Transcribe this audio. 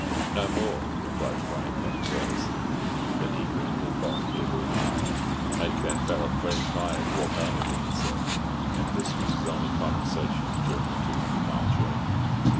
"No more," replied Frying Pan, carelessly. Then he grinned, and volunteered a remark. "Make that feller plenty tired walk home again," he said. And this was his only conversation during a two hundred mile journey.